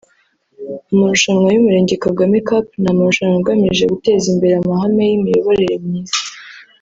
Amarushanwa y’Umurenge Kagame Cup ni amarushanwa agamije guteza imbere amahame y’imiyoborere myiza